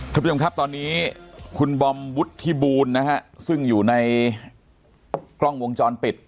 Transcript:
ทุกผู้ชมครับตอนนี้คุณบอมวุฒิบูลนะฮะซึ่งอยู่ในกล้องวงจรปิด